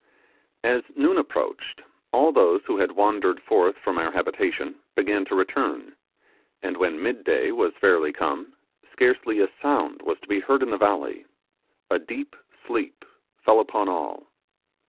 As noon approached, all those who had wandered forth from our habitation, began to return; and when midday was fairly come scarcely a sound was to be heard in the valley: a deep sleep fell upon all.